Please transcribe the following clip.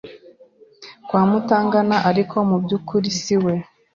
kwa Mutangana ariko mu byukuri siwe